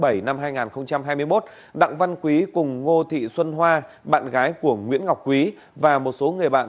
năm hai nghìn hai mươi một đặng văn quý cùng ngô thị xuân hoa bạn gái của nguyễn ngọc quý và một số người bạn